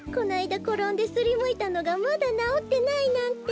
ころんですりむいたのがまだなおってないなんて。